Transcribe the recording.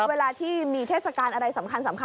เวลาที่มีเทศกาลอะไรสำคัญ